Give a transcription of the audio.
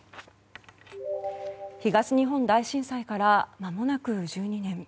東日本大震災からまもなく１２年。